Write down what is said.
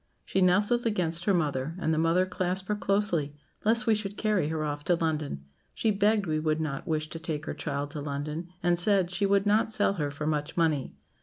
She nestled against her mother, and the mother clasped her closely, lest we should carry her off to London. She begged we would not wish to take her child to London, and said, 'she would not sell her for much money.'